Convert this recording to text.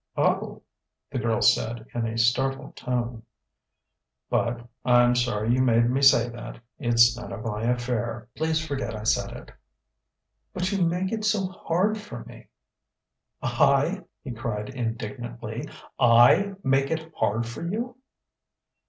"Oh!" the girl said in a startled tone. "But I'm sorry you made me say that. It's none of my affair. Please forget I said it." "But you make it so hard for me." "I?" he cried indignantly "I make it hard for you!"